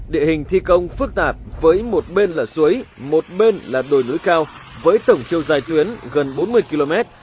địa hình thi công phức tạp với một bên là suối một bên là đồi núi cao với tổng chiều dài tuyến gần bốn mươi km